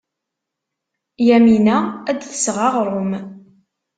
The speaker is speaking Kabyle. Yamina ad d-tseɣ aɣrum.